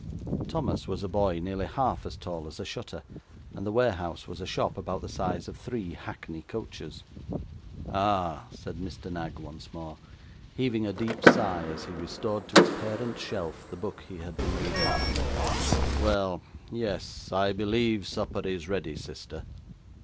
Thomas was a boy nearly half as tall as a shutter, and the warehouse was a shop about the size of three hackney coaches. 'Ah!' said Mr. Knag once more, heaving a deep sigh as he restored to its parent shelf the book he had been reading. 'Well yes I believe supper is ready, sister.